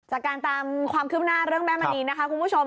จากการตามความคิดขึ้นหน้าเรื่องแม่มันนี่นะคะคุณผู้ชม